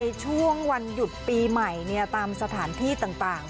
ช่วงวันหยุดปีใหม่ตามสถานที่ต่าง